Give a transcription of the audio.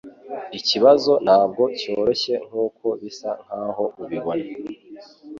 Ikibazo ntabwo cyoroshye nkuko bisa nkaho ubibona